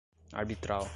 arbitral